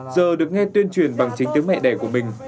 giờ được nghe tuyên truyền bằng chính tiếng mẹ đẻ của mình